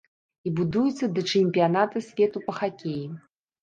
І будуецца да чэмпіяната свету па хакеі.